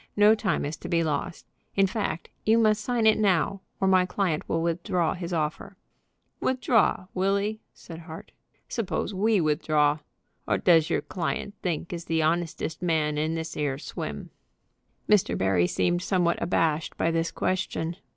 No time is to be lost. In fact, you must sign it now, or my client will withdraw from his offer." "Withdraw; will 'e?" said Hart. "Suppose we withdraw? 'O does your client think is the honestest man in this 'ere swim?" Mr. Barry seemed somewhat abashed by this question.